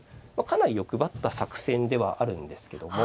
かなり欲張った作戦ではあるんですけども。